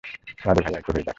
রাধে ভাইয়া একটু হয়ে যাক!